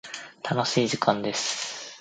楽しい時間です。